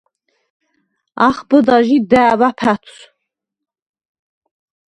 ახბჷდა ჟი და̄̈ვა̈ ფა̈თვს.